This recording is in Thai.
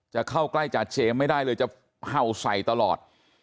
จะเข้าใกล้จาเจมส์ไม่ได้เลยจะเห่าใส่ตลอด